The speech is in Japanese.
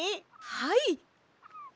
はい。